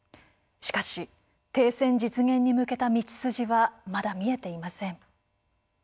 しかし停戦実現に向けた道筋はまだ見えていません。